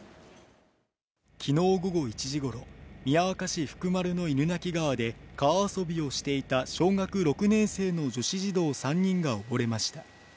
きのう午後１時頃、宮若市福丸の犬鳴川で川遊びをしていた小学６年生の女子児童３人が溺れました。